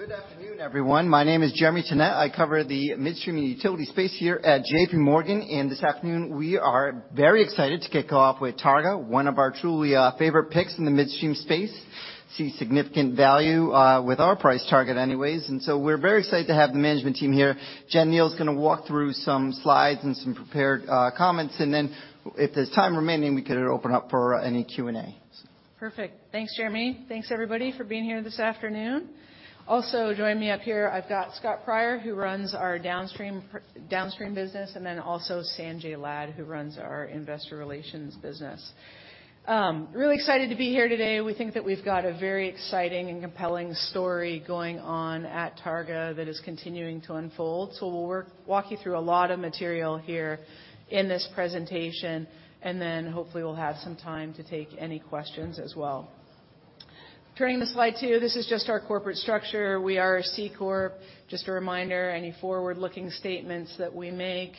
Good afternoon, everyone. My name is Jeremy Tonet. I cover the midstream, and utility space here at JPMorgan. This afternoon, we are very excited to kick off with Targa, one of our truly favorite picks in the midstream space. See significant value with our price target anyways. We're very excited to have the management team here. Jennifer Kneale is gonna walk through some slides, and some prepared comments. If there's time remaining, we could open up for any Q&A. Perfect. Thanks, Jeremy. Thanks, everybody, for being here this afternoon. Also, joining me up here, I've got Scott Pryor, who runs our downstream business, and then also Sanjay Lad, who runs our Investor Relations business. Really excited to be here today. We think that we've got a very exciting, and compelling story going on at Targa that is continuing to unfold. We'll walk you through a lot of material here in this presentation, and then hopefully we'll have some time to take any questions as well. Turning to slide 2, this is just our corporate structure. We are a C corp. Just a reminder, any forward-looking statements that we make,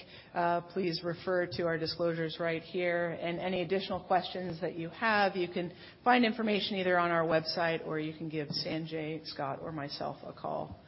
please refer to our disclosures right here, and any additional questions that you have, you can find information either on our website, or you can give Sanjay, Scott, or myself a call.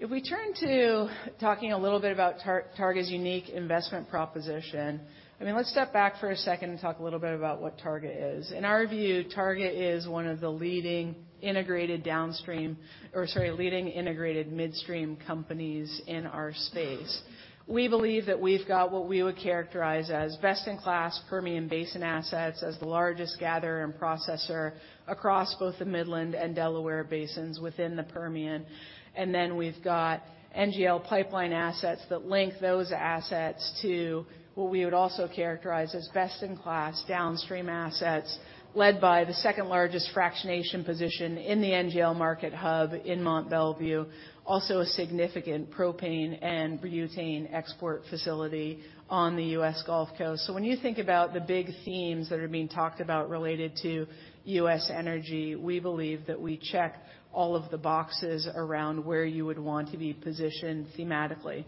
If we turn to talking a little bit about Targa's unique investment proposition, I mean, let's step back for a second, and talk a little bit about what Targa is. In our view, Targa is one of the leading integrated downstream or, sorry, leading integrated midstream companies in our space. We believe that we've got what we would characterize as best-in-class Permian Basin assets as the largest gatherer, and processor across both the Midland, and Delaware Basins within the Permian. Then we've got NGL pipeline assets that link those assets to what we would also characterize as best-in-class downstream assets, led by the second-largest fractionation position in the NGL market hub in Mont Belvieu, also a significant propane, and butane export facility on the U.S. Gulf Coast. When you think about the big themes that are being talked about related to U.S. energy, we believe that we check all of the boxes around where you would want to be positioned thematically.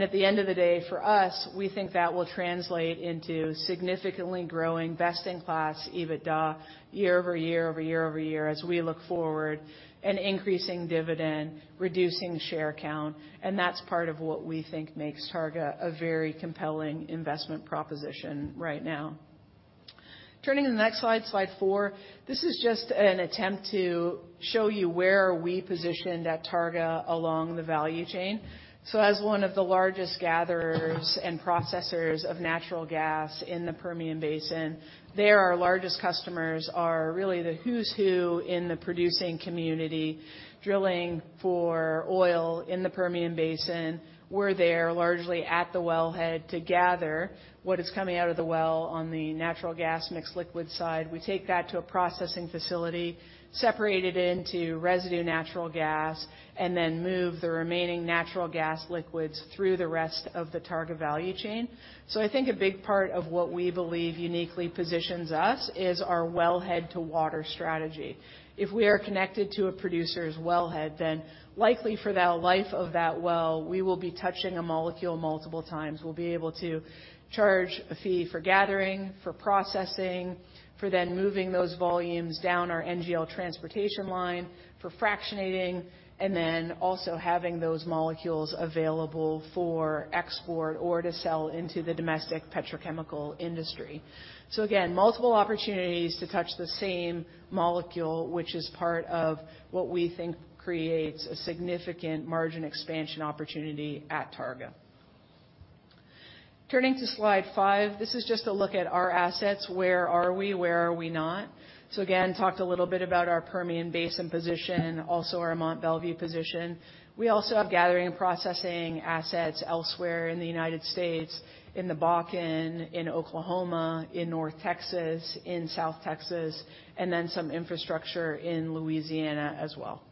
At the end of the day, for us, we think that will translate into significantly growing best-in-class EBITDA year-over-year, over-year, over-year as we look forward, an increasing dividend, reducing share count, and that's part of what we think makes Targa a very compelling investment proposition right now. Turning to the next slide 4, this is just an attempt to show you where we positioned at Targa along the value chain. As one of the largest gatherers, and processors of natural gas in the Permian Basin, there, our largest customers are really the who's who in the producing community, drilling for oil in the Permian Basin. We're there largely at the wellhead to gather what is coming out of the well on the natural gas mix liquid side. We take that to a processing facility, separate it into residue natural gas, move the remaining natural gas liquids through the rest of the Targa value chain. I think a big part of what we believe uniquely positions us is our wellhead-to-water strategy. If we are connected to a producer's wellhead, likely for that life of that well, we will be touching a molecule multiple times. We'll be able to charge a fee for gathering, for processing, for then moving those volumes down our NGL transportation line, for fractionating, and then also having those molecules available for export or to sell into the domestic petrochemical industry. Again, multiple opportunities to touch the same molecule, which is part of what we think creates a significant margin expansion opportunity at Targa. Turning to slide 5, this is just a look at our assets. Where are we? Where are we not? Again, talked a little bit about our Permian Basin position, and also our Mont Belvieu position. We also have gathering, and processing assets elsewhere in the United States, in the Bakken, in Oklahoma, in North Texas, in South Texas, and then some infrastructure in Louisiana as well.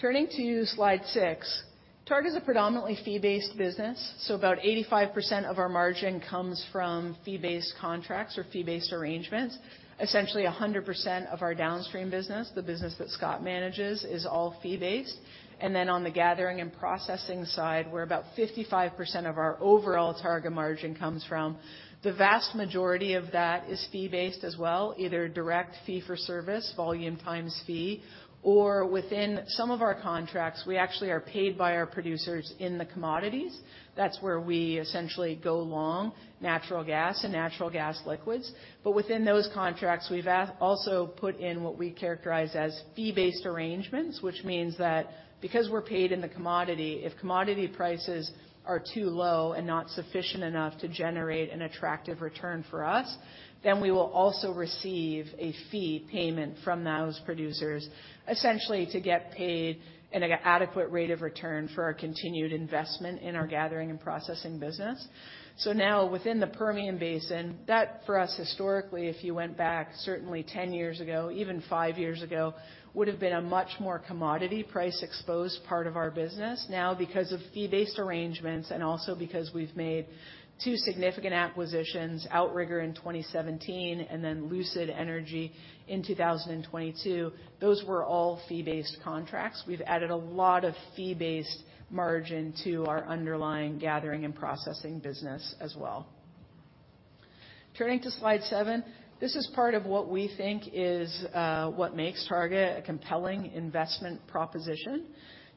Turning to slide 6, Targa is a predominantly fee-based business, about 85% of our margin comes from fee-based contracts or fee-based arrangements. Essentially, 100% of our downstream business, the business that Scott manages, is all fee-based. On the Gathering, and Processing side, where about 55% of our overall Targa margin comes from, the vast majority of that is fee-based as well, either direct fee-for-service, volume times fee, or within some of our contracts, we actually are paid by our producers in the commodities. That's where we essentially go long, natural gas,, and natural gas liquids. Within those contracts, we've also put in what we characterize as fee-based arrangements, which means that because we're paid in the commodity, if commodity prices are too low, and not sufficient enough to generate an attractive return for us, then we will also receive a fee payment from those producers, essentially to get paid at an adequate rate of return for our continued investment in our Gathering, and Processing business. Now, within the Permian Basin, that for us, historically, if you went back certainly 10 years ago, even five years ago, would have been a much more commodity price-exposed part of our business. Now, because of fee-based arrangements, and also because we've made two significant acquisitions, Outrigger in 2017, and then Lucid Energy in 2022, those were all fee-based contracts. We've added a lot of fee-based margin to our underlying gathering, and processing business as well. Turning to Slide 7, this is part of what we think is what makes Targa a compelling investment proposition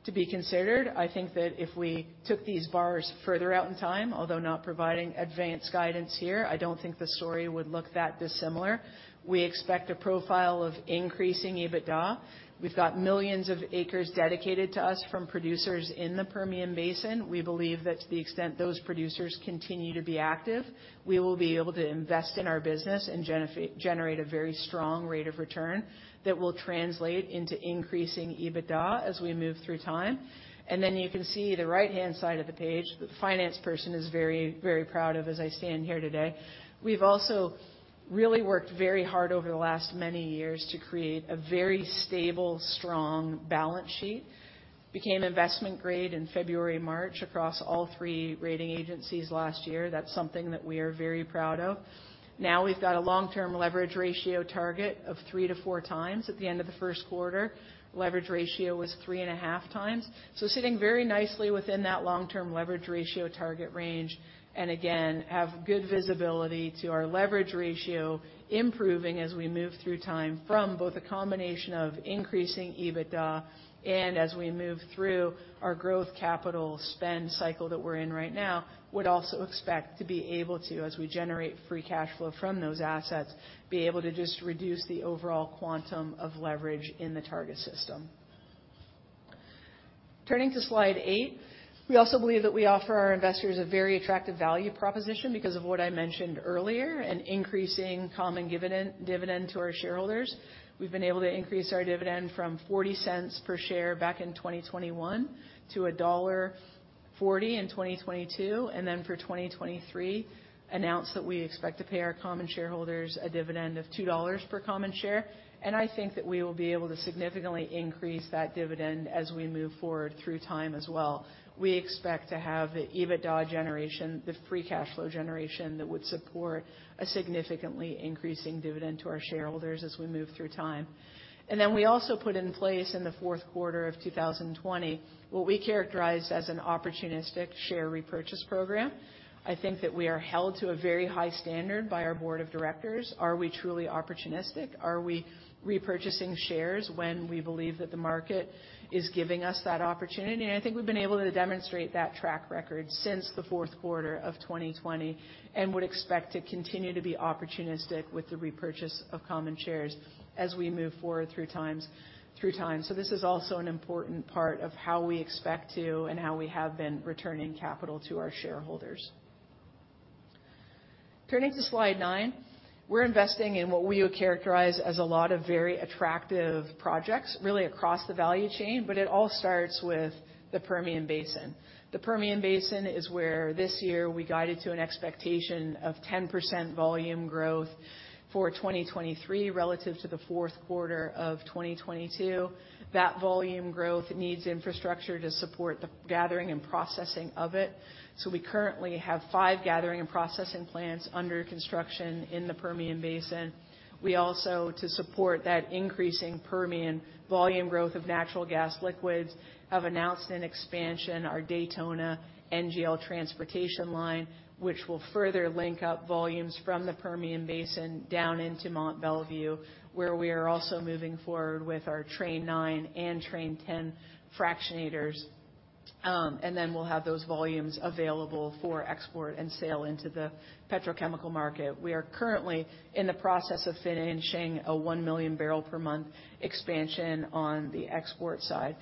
to be considered. I think that if we took these bars further out in time, although not providing advanced guidance here, I don't think the story would look that dissimilar. We expect a profile of increasing EBITDA. We've got millions of acres dedicated to us from producers in the Permian Basin. We believe that to the extent those producers continue to be active, we will be able to invest in our business, and generate a very strong rate of return that will translate into increasing EBITDA as we move through time. You can see the right-hand side of the page, the finance person is very, very proud of as I stand here today. We've also really worked very hard over the last many years to create a very stable, strong balance sheet. Became investment grade in February, March, across all three rating agencies last year. That's something that we are very proud of. Now we've got a long-term leverage ratio target of 3x-4x. At the end of the first quarter, leverage ratio was 3.5x. Sitting very nicely within that long-term leverage ratio target range, and again, have good visibility to our leverage ratio, improving as we move through time from both a combination of increasing EBITDA, and as we move through our growth capital spend cycle that we're in right now, would also expect to be able to, as we generate free cash flow from those assets, be able to just reduce the overall quantum of leverage in the Targa system. Turning to Slide 8, we also believe that we offer our investors a very attractive value proposition because of what I mentioned earlier, an increasing common dividend to our shareholders. We've been able to increase our dividend from $0.40 per share back in 2021 to $1.40 in 2022, for 2023, announced that we expect to pay our common shareholders a dividend of $2.00 per common share. I think that we will be able to significantly increase that dividend as we move forward through time as well. We expect to have the EBITDA generation, the free cash flow generation, that would support a significantly increasing dividend to our shareholders as we move through time. We also put in place in the fourth quarter of 2020, what we characterized as an opportunistic share repurchase program. I think that we are held to a very high standard by our board of directors. Are we truly opportunistic? Are we repurchasing shares when we believe that the market is giving us that opportunity? I think we've been able to demonstrate that track record since the fourth quarter of 2020, and would expect to continue to be opportunistic with the repurchase of common shares as we move forward through time. This is also an important part of how we expect to and how we have been returning capital to our shareholders. Turning to Slide 9, we're investing in what we would characterize as a lot of very attractive projects, really across the value chain, but it all starts with the Permian Basin. The Permian Basin is where this year we guided to an expectation of 10% volume growth for 2023 relative to the fourth quarter of 2022. That volume growth needs infrastructure to support the gathering and processing of it. We currently have five gathering and processing plants under construction in the Permian Basin. We also, to support that increasing Permian volume growth of natural gas liquids, have announced an expansion, our Daytona NGL transportation line, which will further link up volumes from the Permian Basin down into Mont Belvieu, where we are also moving forward with our Train 9, and Train 10 fractionators, we'll have those volumes available for export, and sale into the petrochemical market. We are currently in the process of finishing a 1 million barrel per month expansion on the export side.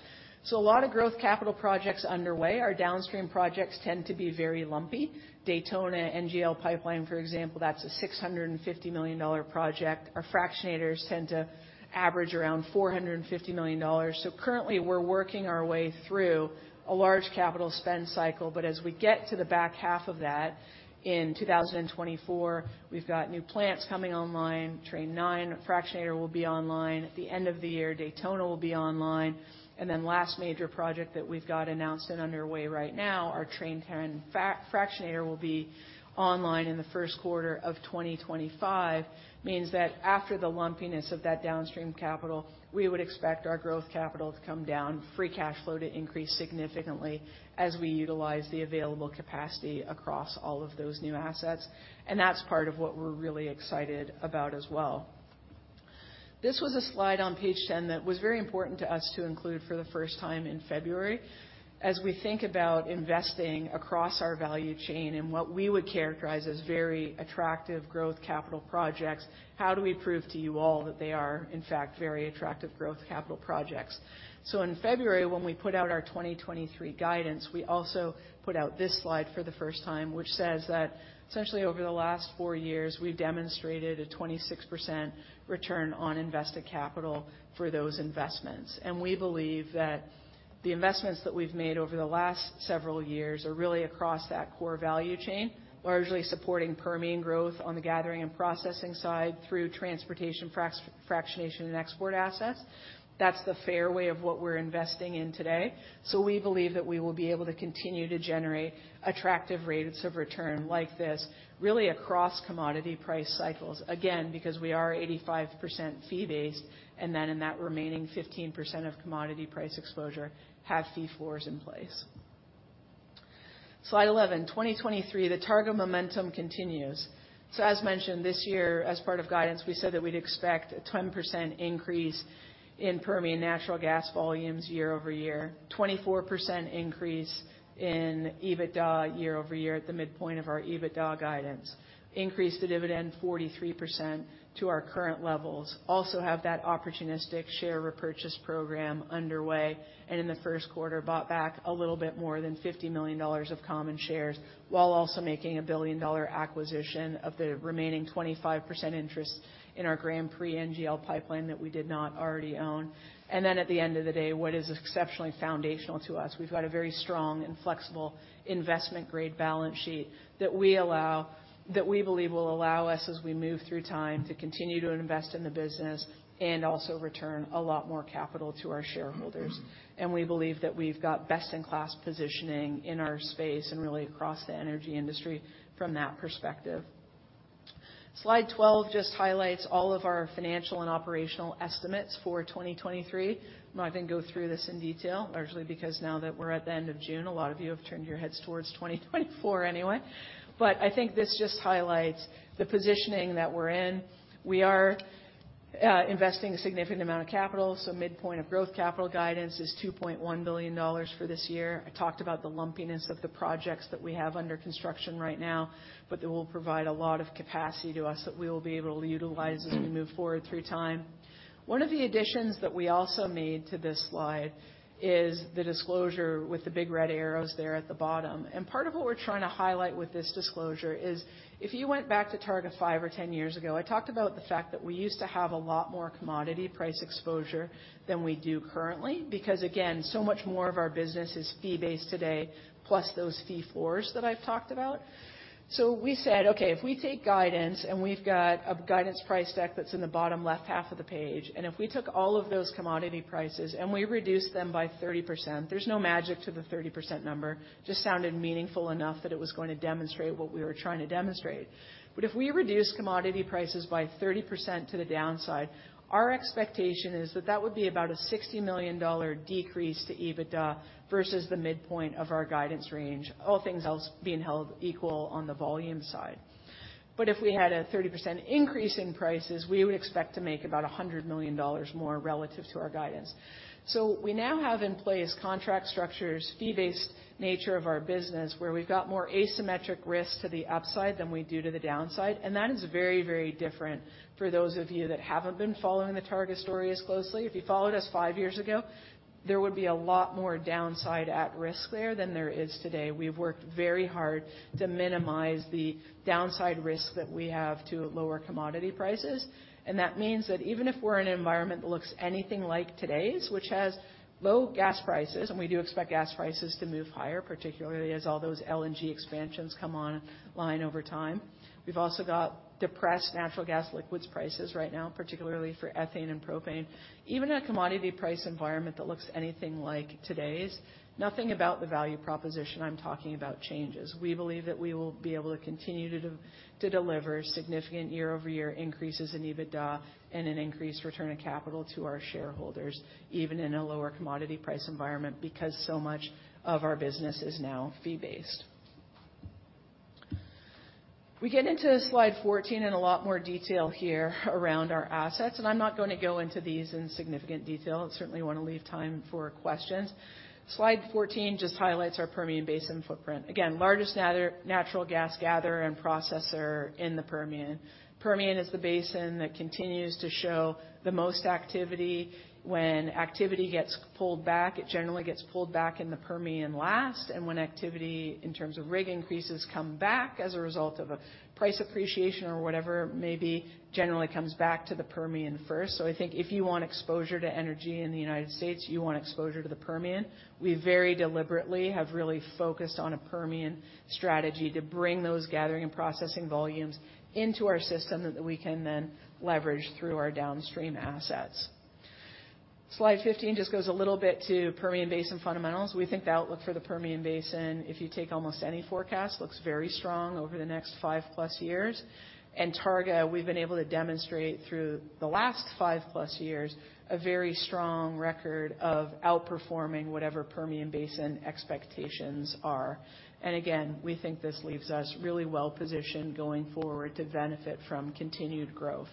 A lot of growth capital projects underway. Our downstream projects tend to be very lumpy. Daytona NGL Pipeline, for example, that's a $650 million project. Our fractionators tend to average around $450 million. Currently, we're working our way through a large capital spend cycle, but as we get to the back half of that in 2024, we've got new plants coming online. Train 9 fractionator will be online. At the end of the year, Daytona will be online. Last major project that we've got announced, and underway right now, our Train 10 fractionator will be online in the first quarter of 2025. Means that after the lumpiness of that downstream capital, we would expect our growth capital to come down, free cash flow to increase significantly as we utilize the available capacity across all of those new assets. That's part of what we're really excited about as well. This was a slide on page 10 that was very important to us to include for the first time in February. As we think about investing across our value chain, and what we would characterize as very attractive growth capital projects, how do we prove to you all that they are, in fact, very attractive growth capital projects? In February, when we put out our 2023 guidance, we also put out this slide for the first time, which says that essentially over the last four years, we've demonstrated a 26% return on invested capital for those investments. We believe that the investments that we've made over the last several years are really across that core value chain, largely supporting Permian growth on the gathering, and processing side through transportation, fractionation, and export assets. That's the fair way of what we're investing in today. We believe that we will be able to continue to generate attractive rates of return like this, really across commodity price cycles. Because we are 85% fee-based, and then in that remaining 15% of commodity price exposure, have fee floors in place. Slide 11, 2023, the Targa momentum continues. As mentioned this year, as part of guidance, we said that we'd expect a 20% increase in Permian natural gas volumes year-over-year, 24% increase in EBITDA year-over-year at the midpoint of our EBITDA guidance, increase the dividend 43% to our current levels. Also have that opportunistic share repurchase program underway, and in the first quarter, bought back a little bit more than $50 million of common shares, while also making a billion-dollar acquisition of the remaining 25% interest in our Grand Prix NGL Pipeline that we did not already own. At the end of the day, what is exceptionally foundational to us, we've got a very strong and flexible investment-grade balance sheet that we believe will allow us, as we move through time, to continue to invest in the business, and also return a lot more capital to our shareholders. We believe that we've got best-in-class positioning in our space and really across the energy industry from that perspective. Slide 12 just highlights all of our financial, and operational estimates for 2023. I'm not going to go through this in detail, largely because now that we're at the end of June, a lot of you have turned your heads towards 2024 anyway. I think this just highlights the positioning that we're in. We are investing a significant amount of capital. Midpoint of growth capital guidance is $2.1 billion for this year. I talked about the lumpiness of the projects that we have under construction right now. They will provide a lot of capacity to us that we will be able to utilize as we move forward through time. One of the additions that we also made to this slide is the disclosure with the big red arrows there at the bottom. Part of what we're trying to highlight with this disclosure is, if you went back to Targa five or ten years ago, I talked about the fact that we used to have a lot more commodity price exposure than we do currently, because, again, so much more of our business is fee-based today, plus those fee floors that I've talked about. We said, okay, if we take guidance, we've got a guidance price deck that's in the bottom left half of the page. If we took all of those commodity prices, and we reduced them by 30%, there's no magic to the 30% number, just sounded meaningful enough that it was going to demonstrate what we were trying to demonstrate. If we reduce commodity prices by 30% to the downside, our expectation is that that would be about a $60 million decrease to EBITDA versus the midpoint of our guidance range, all things else being held equal on the volume side. If we had a 30% increase in prices, we would expect to make about a $100 million more relative to our guidance. We now have in place contract structures, fee-based nature of our business, where we've got more asymmetric risk to the upside than we do to the downside. That is very, very different for those of you that haven't been following the Targa story as closely. If you followed us five years ago, there would be a lot more downside at risk there than there is today. We've worked very hard to minimize the downside risk that we have to lower commodity prices. That means that even if we're in an environment that looks anything like today's, which has low gas prices. We do expect gas prices to move higher, particularly as all those LNG expansions come on-line over time. We've also got depressed natural gas liquids prices right now, particularly for ethane, and propane. Even a commodity price environment that looks anything like today's, nothing about the value proposition I'm talking about changes. We believe that we will be able to continue to deliver significant year-over-year increases in EBITDA and an increased return of capital to our shareholders, even in a lower commodity price environment, because so much of our business is now fee-based. We get into slide 14 in a lot more detail here around our assets. I'm not gonna go into these in significant detail. I certainly want to leave time for questions. Slide 14 just highlights our Permian Basin footprint. Again, largest natural gas gatherer, and processor in the Permian. Permian is the basin that continues to show the most activity. When activity gets pulled back, it generally gets pulled back in the Permian last. When activity in terms of rig increases come back as a result of a price appreciation or whatever it may be, generally comes back to the Permian first. I think if you want exposure to energy in the United States, you want exposure to the Permian. We very deliberately have really focused on a Permian strategy to bring those gathering, and processing volumes into our system that we can then leverage through our downstream assets. Slide 15 just goes a little bit to Permian Basin fundamentals. We think the outlook for the Permian Basin, if you take almost any forecast, looks very strong over the next 5+years. At Targa, we've been able to demonstrate through the last 5+years, a very strong record of outperforming whatever Permian Basin expectations are. Again, we think this leaves us really well-positioned going forward to benefit from continued growth.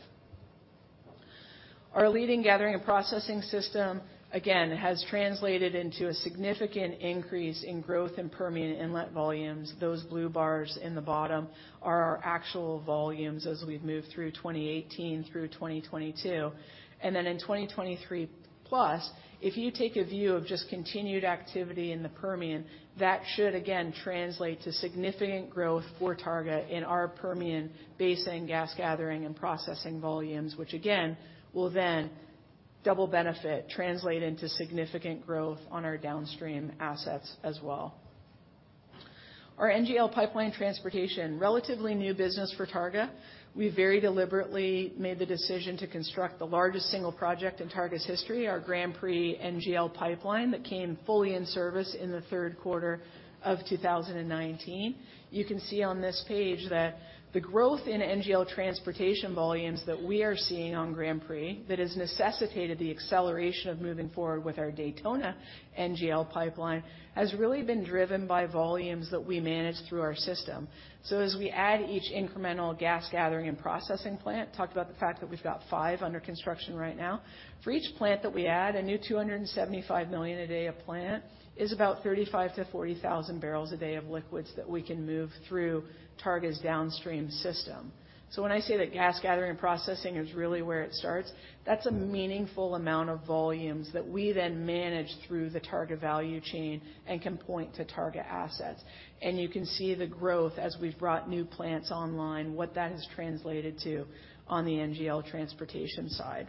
Our leading gathering, and processing system, again, has translated into a significant increase in growth in Permian inlet volumes. Those blue bars in the bottom are our actual volumes as we've moved through 2018 through 2022. Then in 2023 plus, if you take a view of just continued activity in the Permian, that should again translate to significant growth for Targa in our Permian Basin gas gathering, and processing volumes, which again, will then double benefit, translate into significant growth on our downstream assets as well. Our NGL pipeline transportation, relatively new business for Targa. We very deliberately made the decision to construct the largest single project in Targa's history, our Grand Prix NGL Pipeline, that came fully in service in the third quarter of 2019. You can see on this page that the growth in NGL transportation volumes that we are seeing on Grand Prix, that has necessitated the acceleration of moving forward with our Daytona NGL Pipeline, has really been driven by volumes that we manage through our system. As we add each incremental gas gathering, and processing plant, talked about the fact that we've got five under construction right now. For each plant that we add, a new $275 million a day of plant, is about 35,000-40,000 barrels a day of liquids that we can move through Targa's downstream system. When I say that gas gathering and processing is really where it starts, that's a meaningful amount of volumes that we then manage through the Targa value chain, and can point to Targa assets. You can see the growth as we've brought new plants online, what that has translated to on the NGL transportation side.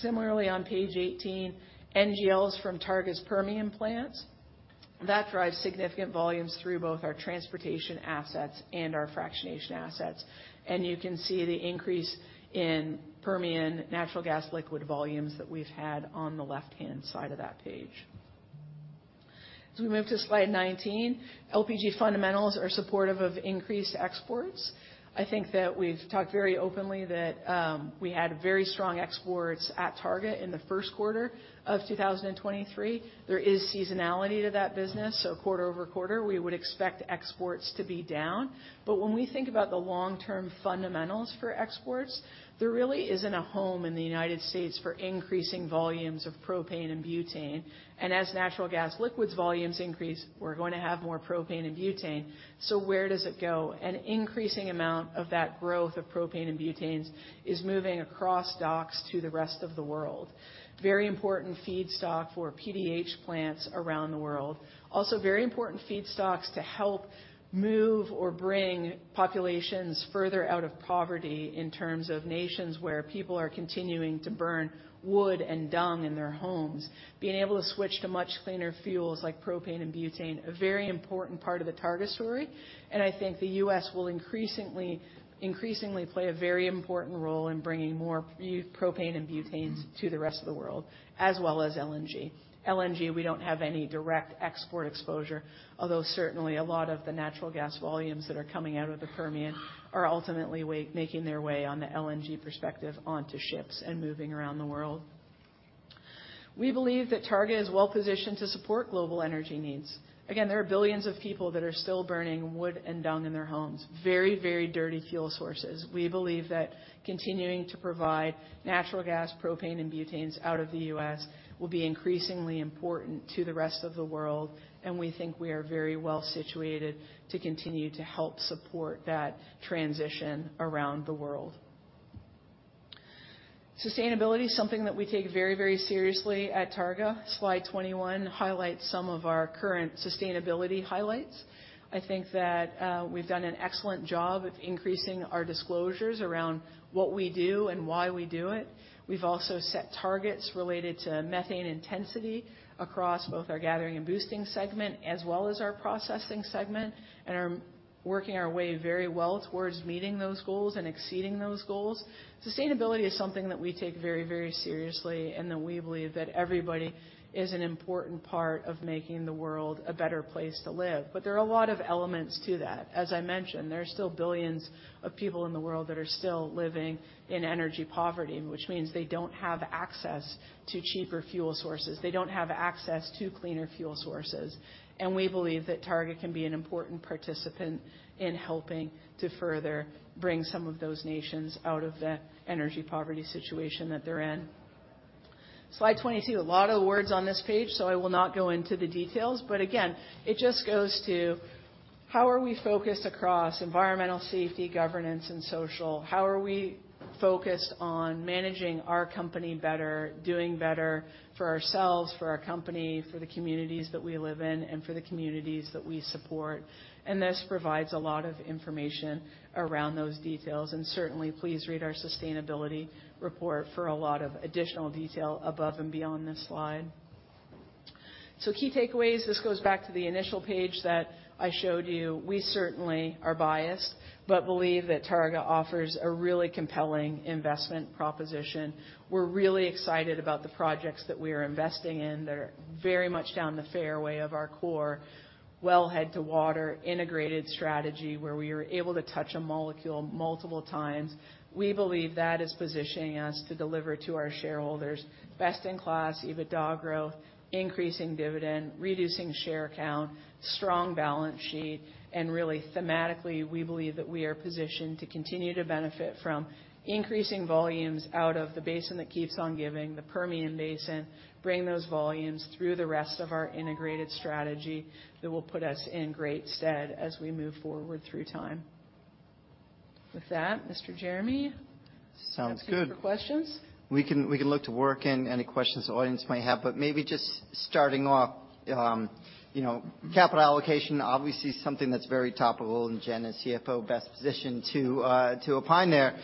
Similarly on page 18, NGLs from Targa's Permian plants, that drives significant volumes through both our transportation assets and our fractionation assets. You can see the increase in Permian natural gas liquid volumes that we've had on the left-hand side of that page. As we move to slide 19, LPG fundamentals are supportive of increased exports. I think that we've talked very openly that we had very strong exports at Targa in the first quarter of 2023. There is seasonality to that business, so quarter-over-quarter, we would expect exports to be down. When we think about the long-term fundamentals for exports, there really isn't a home in the United States for increasing volumes of propane and butane, and as natural gas liquids volumes increase, we're going to have more propane and butane. Where does it go? An increasing amount of that growth of propane and butanes is moving across docks to the rest of the world. Very important feedstock for PDH plants around the world. Also, very important feedstocks to help move or bring populations further out of poverty in terms of nations where people are continuing to burn wood and dung in their homes. Being able to switch to much cleaner fuels like propane and butane, a very important part of the Targa story. I think the U.S. will increasingly play a very important role in bringing more propane and butanes to the rest of the world, as well as LNG. LNG, we don't have any direct export exposure, although certainly a lot of the natural gas volumes that are coming out of the Permian are ultimately making their way on the LNG perspective onto ships and moving around the world. We believe that Targa is well-positioned to support global energy needs. Again, there are billions of people that are still burning wood and dung in their homes. Very, very dirty fuel sources. We believe that continuing to provide natural gas, propane, and butanes out of the US will be increasingly important to the rest of the world. We think we are very well situated to continue to help support that transition around the world. Sustainability is something that we take very, very seriously at Targa. Slide 21 highlights some of our current sustainability highlights. I think that we've done an excellent job of increasing our disclosures around what we do and why we do it. We've also set targets related to methane intensity across both our Gathering and Boosting segment, as well as our processing segment. We are working our way very well towards meeting those goals and exceeding those goals. Sustainability is something that we take very, very seriously. We believe that everybody is an important part of making the world a better place to live. There are a lot of elements to that. As I mentioned, there are still billions of people in the world that are still living in energy poverty, which means they don't have access to cheaper fuel sources. They don't have access to cleaner fuel sources, and we believe that Targa can be an important participant in helping to further bring some of those nations out of the energy poverty situation that they're in. Slide 22, a lot of words on this page, so I will not go into the details. Again, it just goes to, how are we focused across environmental, safety, governance, and social? How are we focused on managing our company better, doing better for ourselves, for our company, for the communities that we live in, and for the communities that we support? This provides a lot of information around those details, and certainly, please read our sustainability report for a lot of additional detail above and beyond this slide. Key takeaways. This goes back to the initial page that I showed you. We certainly are biased, but believe that Targa offers a really compelling investment proposition. We're really excited about the projects that we are investing in. They're very much down the fairway of our core, wellhead-to-water integrated strategy, where we are able to touch a molecule multiple times. We believe that is positioning us to deliver to our shareholders best-in-class EBITDA growth, increasing dividend, reducing share count, strong balance sheet. Really, thematically, we believe that we are positioned to continue to benefit from increasing volumes out of the basin that keeps on giving, the Permian Basin, bringing those volumes through the rest of our integrated strategy that will put us in great stead as we move forward through time. With that, Mr. Jeremy? Sounds good. Questions? We can look to work in any questions the audience might have, maybe just starting off, you know, capital allocation, obviously, something that's very topical, and Jen, as CFO, best positioned to opine there.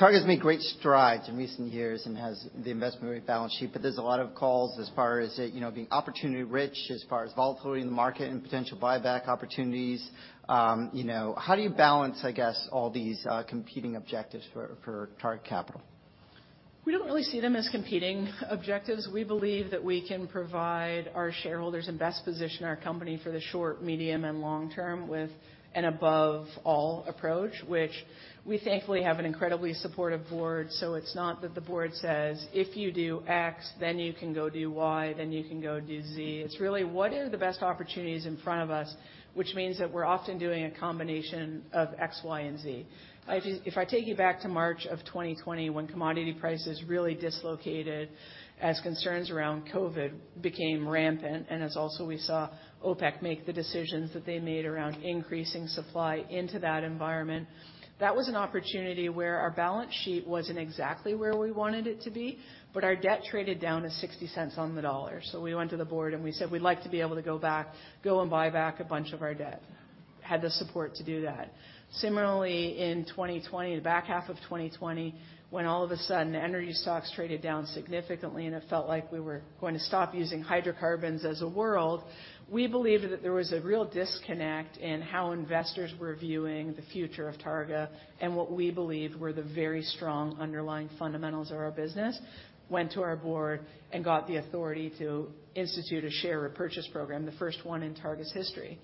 Targa's made great strides in recent years and has the investment-grade balance sheet. There's a lot of calls as far as, you know, being opportunity-rich, as far as volatility in the market and potential buyback opportunities. You know, how do you balance, I guess, all these competing objectives for Targa Capital? We don't really see them as competing objectives. We believe that we can provide our shareholders and best position our company for the short, medium, and long term with an above-all approach, which we thankfully have an incredibly supportive board. It's not that the board says, "If you do X, then you can go do Y, then you can go do Z." It's really, what are the best opportunities in front of us? Which means that we're often doing a combination of X, Y, and Z. If I take you back to March of 2020, when commodity prices really dislocated as concerns around COVID became rampant, and as also we saw OPEC make the decisions that they made around increasing supply into that environment, that was an opportunity where our balance sheet wasn't exactly where we wanted it to be, our debt traded down to $0.60 on the dollar. We went to the board, and we said: We'd like to be able to go and buy back a bunch of our debt. Had the support to do that. Similarly, in 2020, the back half of 2020, when all of a sudden, energy stocks traded down significantly, and it felt like we were going to stop using hydrocarbons as a world, we believed that there was a real disconnect in how investors were viewing the future of Targa and what we believed were the very strong underlying fundamentals of our business. Went to our board and got the authority to institute a share repurchase program, the first one in Targa's history.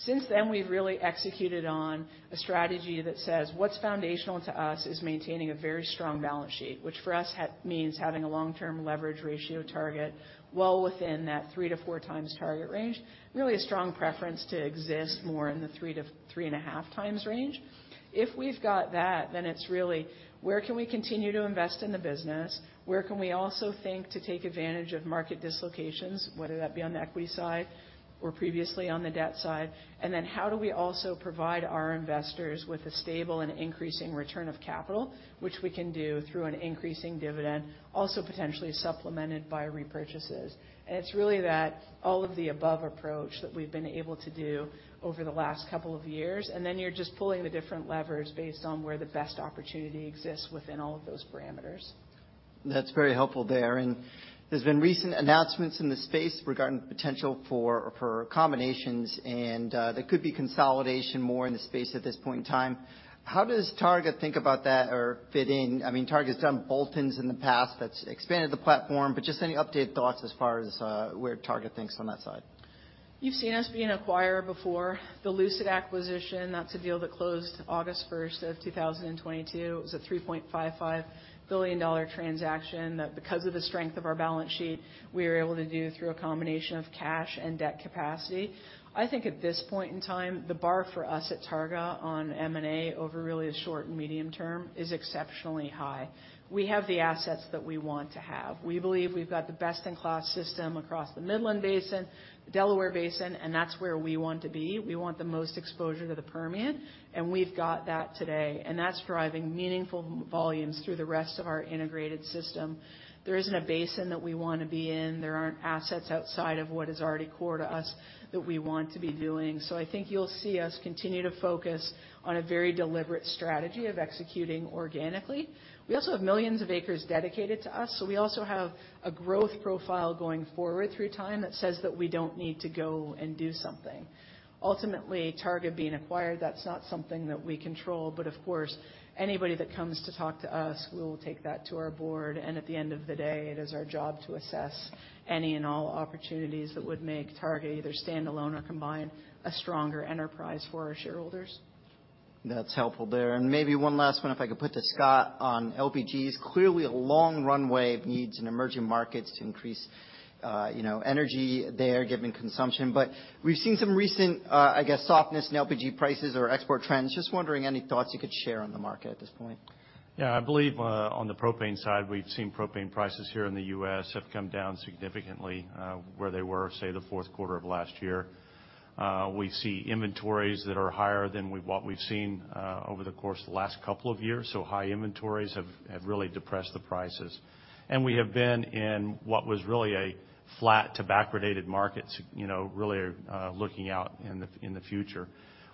Since then, we've really executed on a strategy that says what's foundational to us is maintaining a very strong balance sheet, which for us, means having a long-term leverage ratio target well within that 3 to 4 times Targa range. Really a strong preference to exist more in the 3 to 3.5 times range. If we've got that, then it's really where can we continue to invest in the business? Where can we also think to take advantage of market dislocations, whether that be on the equity side or previously on the debt side? How do we also provide our investors with a stable and increasing return of capital, which we can do through an increasing dividend, also potentially supplemented by repurchases? It's really that all of the above approach that we've been able to do over the last couple of years, and then you're just pulling the different levers based on where the best opportunity exists within all of those parameters. That's very helpful there. There's been recent announcements in the space regarding potential for combinations, and there could be consolidation more in the space at this point in time. How does Targa think about that or fit in? I mean, Targa's done bolt-ins in the past that's expanded the platform, but just any updated thoughts as far as where Targa thinks on that side? You've seen us being an acquirer before. The Lucid acquisition, that's a deal that closed August first of 2022. It was a $3.55 billion transaction that, because of the strength of our balance sheet, we were able to do through a combination of cash and debt capacity. I think at this point in time, the bar for us at Targa on M&A over really the short and medium term is exceptionally high. We have the assets that we want to have. We believe we've got the best-in-class system across the Midland Basin, Delaware Basin. That's where we want to be. We want the most exposure to the Permian. We've got that today, and that's driving meaningful volumes through the rest of our integrated system. There isn't a basin that we wanna be in. There aren't assets outside of what is already core to us that we want to be doing. I think you'll see us continue to focus on a very deliberate strategy of executing organically. We also have millions of acres dedicated to us, so we also have a growth profile going forward through time that says that we don't need to go and do something. Ultimately, Targa being acquired, that's not something that we control, but of course, anybody that comes to talk to us, we will take that to our board, and at the end of the day, it is our job to assess any and all opportunities that would make Targa, either standalone or combined, a stronger enterprise for our shareholders. That's helpful there. Maybe one last one, if I could put to Scott on LPGs. Clearly, a long runway of needs in emerging markets to increase, you know, energy there, given consumption. We've seen some recent, I guess, softness in LPG prices or export trends. Just wondering, any thoughts you could share on the market at this point? Yeah, I believe on the propane side, we've seen propane prices here in the U.S. have come down significantly, where they were, say, the fourth quarter of last year. We see inventories that are higher than what we've seen over the course of the last couple of years, so high inventories have really depressed the prices. We have been in what was really a flat to backwardated market, you know, really looking out in the future.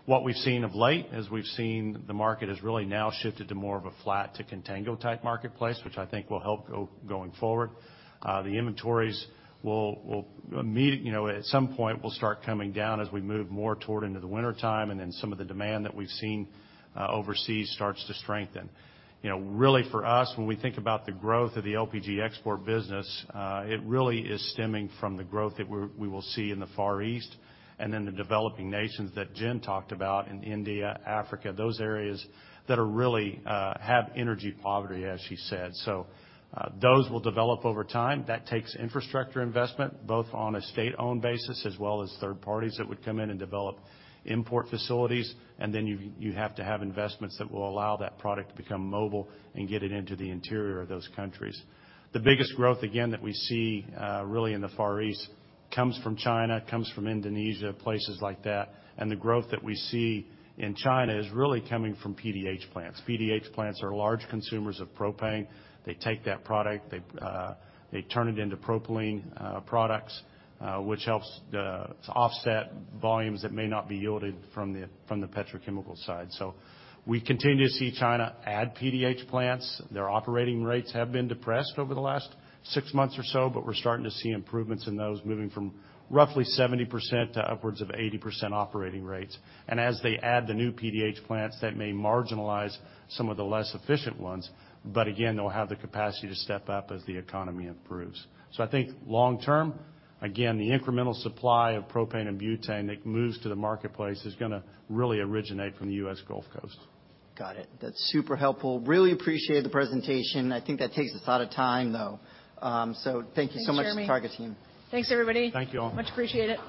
What we've seen of late, is we've seen the market has really now shifted to more of a flat to contango-type marketplace, which I think will help going forward. The inventories will, you know, at some point, will start coming down as we move more toward into the wintertime, and then some of the demand that we've seen overseas starts to strengthen. You know, really, for us, when we think about the growth of the LPG export business, it really is stemming from the growth that we will see in the Far East and then the developing nations that Jen talked about in India, Africa, those areas that are really have energy poverty, as she said. Those will develop over time. That takes infrastructure investment, both on a state-owned basis as well as third parties that would come in and develop import facilities, and then you have to have investments that will allow that product to become mobile and get it into the interior of those countries. The biggest growth, again, that we see, really in the Far East, comes from China, comes from Indonesia, places like that, and the growth that we see in China is really coming from PDH plants. PDH plants are large consumers of propane. They take that product, they turn it into propylene products, which helps to offset volumes that may not be yielded from the, from the petrochemical side. We continue to see China add PDH plants. Their operating rates have been depressed over the last six months or so, but we're starting to see improvements in those, moving from roughly 70% to upwards of 80% operating rates. As they add the new PDH plants, that may marginalize some of the less efficient ones, but again, they'll have the capacity to step up as the economy improves. I think long term, again, the incremental supply of propane and butane that moves to the marketplace is going to really originate from the U.S. Gulf Coast. Got it. That's super helpful. Really appreciate the presentation. I think that takes us out of time, though. Thank you so much. Thanks, Jeremy. Targa team. Thanks, everybody. Thank you all. Much appreciate it.